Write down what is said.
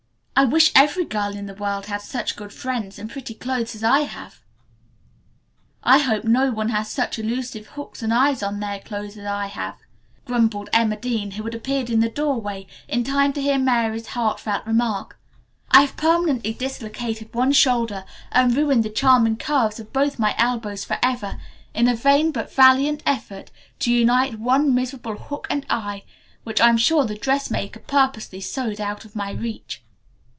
"I wish every girl in the world had such good friends and pretty clothes as I have!" "I hope no one has such elusive hooks and eyes on their clothes as I have," grumbled Emma Dean, who had appeared in the doorway in time to hear Mary's heartfelt remark. "I have permanently dislocated one shoulder and ruined the charming curves of both my elbows forever, in a vain, but valiant, effort to unite one miserable hook and eye, which I'm sure the dressmaker purposely sewed out of my reach."